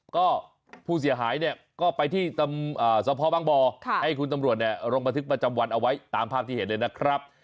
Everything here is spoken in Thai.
ก็ผู้เสียหายเนี่ยก็ไปที่สพบังบ่อให้คุณตำรวจลงบันทึกประจำวันเอาไว้ตามภาพที่เห็นเลยนะครับ